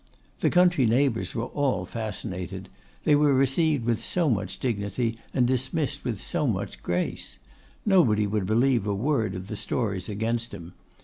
The country neighbours were all fascinated; they were received with so much dignity and dismissed with so much grace. Nobody would believe a word of the stories against him.